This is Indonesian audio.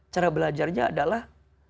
cara belajarnya adalah